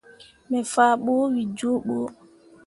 Me faa ɓu wǝ jooɓǝ.